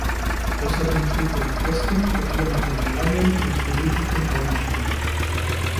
Außerdem trägt es die Kosten für alle Materialien und benötigten Baumaschinen.